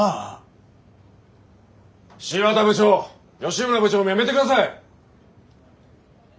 新発田部長吉村部長もやめて下さい！